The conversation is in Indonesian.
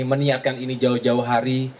meniakan ini jauh jauh hari